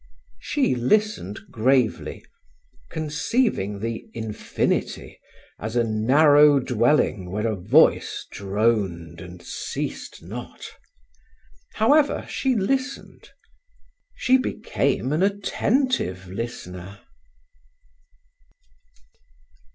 She listened gravely, conceiving the infinity as a narrow dwelling where a voice droned and ceased not. However, she listened. She became an attentive listener.